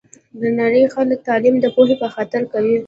د نړۍ خلګ تعلیم د پوهي په خاطر کوي